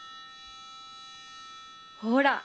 ほら。